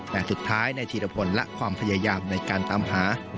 แต่สุดท้ายนายธีรพลและความพยายามในการตามหา